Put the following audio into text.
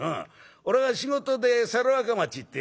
俺が仕事で猿若町行ってよ。